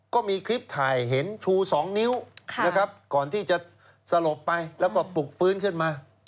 ก็มีคลิปถ่ายเห็นชู๒นิ้วนะครับก่อนที่จะสลบไปแล้วก็ปลุกฟื้นขึ้นมา